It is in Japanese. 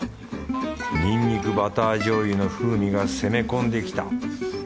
ニンニクバター醤油の風味が攻め込んできた。